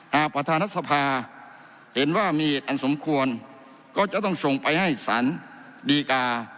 หากประธานรัฐสภาเห็นว่ามีเหตุอันสมควรก็จะต้องส่งไปให้สารดีกา